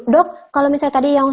dok kalau misalnya tadi yang